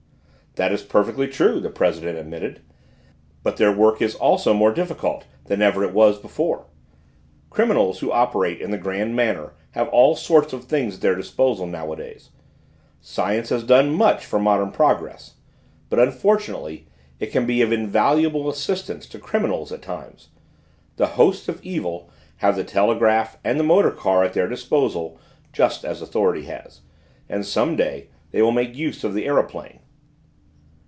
"That is perfectly true," the president admitted, "but their work is also more difficult than ever it was before. Criminals who operate in the grand manner have all sorts of things at their disposal nowadays. Science has done much for modern progress, but unfortunately it can be of invaluable assistance to criminals at times; the hosts of evil have the telegraph and the motor car at their disposal just as authority has, and some day they will make use of the aeroplane."